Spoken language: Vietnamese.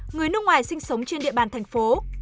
người nước ngoài sinh sống trên địa bàn thành phố